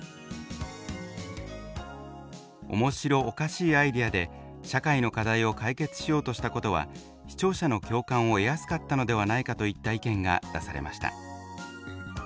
「面白おかしいアイデアで社会の課題を解決しようとしたことは視聴者の共感を得やすかったのではないか」といった意見が出されました。